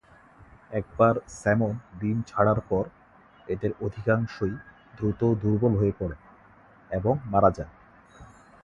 একবার স্যামন ডিম ছাড়ার পর, এদের অধিকাংশই দ্রুত দুর্বল হয়ে পড়ে এবং মারা যায়।